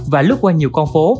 và lướt qua nhiều con phố